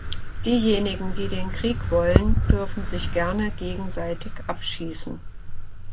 Diejenigen, die den Krieg wollen, dürfen sich gerne gegenseitig abschießen.